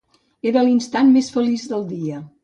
Era l'instant més feliç del dia.